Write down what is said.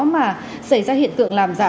mà xảy ra hiện tượng làm giả